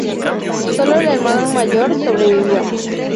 Solo el hermano mayor sobrevivió.